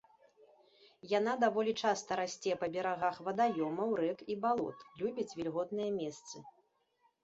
Яна даволі часта расце па берагах вадаёмаў, рэк і балот, любіць вільготныя месцы.